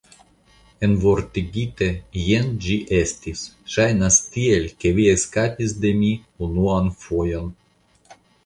"Envortigite, jen ĝi estis: "Ŝajnas tial ke vi eskapis de mi unuan fojon."